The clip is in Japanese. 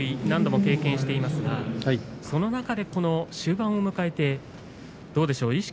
何度も経験していますがその中で、終盤を迎えてどうでしょう？